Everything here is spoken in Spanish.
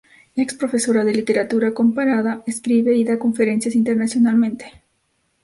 Ex profesora de literatura comparada, escribe y da conferencias internacionalmente.